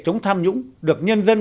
chống tham nhũng được nhân dân